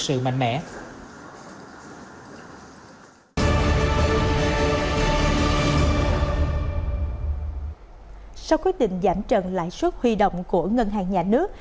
sau quyết định giảm trần lãi suất huy động của ngân hàng nhà nước